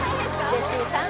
ジェシーさん